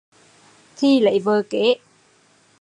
Thì lấy vợ kế